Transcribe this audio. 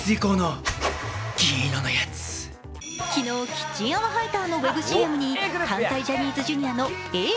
昨日、キッチン泡ハイターのウェブＣＭに関西ジャニーズＪｒ．のＡぇ！